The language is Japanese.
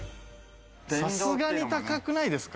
さすがに高くないですか？